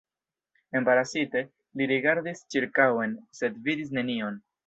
Embarasite, li rigardis ĉirkaŭen, sed vidis nenion.